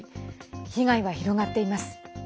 被害は広がっています。